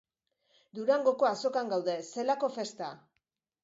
Durangoko azokan gaude, zelako festa.